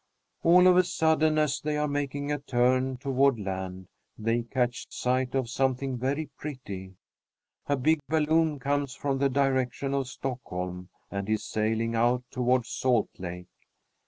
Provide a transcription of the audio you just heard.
All of a sudden, as they are making a turn toward land, they catch sight of something very pretty. A big balloon comes from the direction of Stockholm and is sailing out toward Salt Lake.